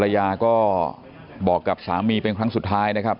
ลูกชายวัย๑๘ขวบบวชหน้าไฟให้กับพุ่งชนจนเสียชีวิตแล้วนะครับ